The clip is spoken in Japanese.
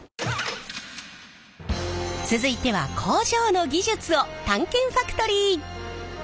続いては工場の技術を探検ファクトリー！